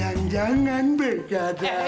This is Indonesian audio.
begadang jangan begadang